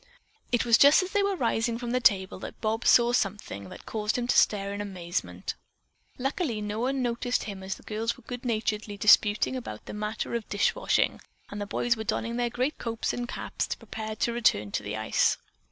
It was just as they were rising from the table that Bob saw something. that caused him to stare in amazement. Luckily no one noticed him as the girls were good naturedly disputing about the matter of dish washing, and the boys were donning their great coats and caps preparing to return to the ice.